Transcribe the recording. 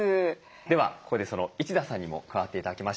ではここでその一田さんにも加わって頂きましょう。